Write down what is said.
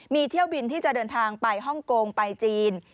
มีเที่ยวบินที่จะเดินทางไปฮ่องกงไปจีน